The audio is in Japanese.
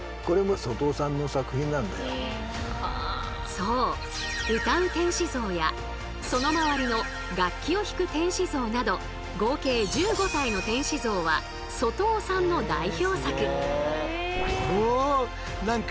そう歌う天使像やその周りの楽器を弾く天使像など合計１５体の天使像は外尾さんの代表作。